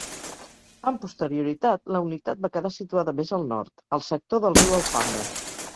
Amb posterioritat la unitat va quedar situada més al nord, al sector del riu Alfambra.